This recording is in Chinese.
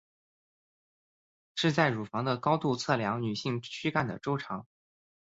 是在乳房的高度测量女性躯干的周长。